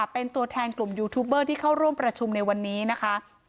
เป็นตัวแทนกลุ่มยูทูบเบอร์ที่เข้าร่วมประชุมในวันนี้นะคะ